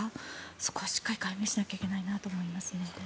そこはしっかり解明しないといけないと思います。